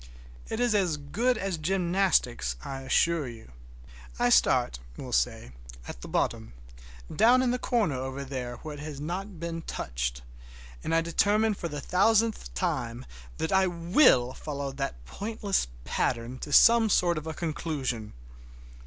It is as good as gymnastics, I assure you. I start, we'll say, at the bottom, down in the corner over there where it has not been touched, and I determine for the thousandth time that I will follow that pointless pattern to some sort of a conclusion.